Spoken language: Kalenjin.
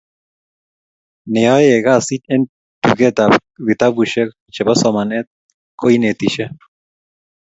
ne aye kasit eng duket ab vitabushek chobo somanet ko inetishe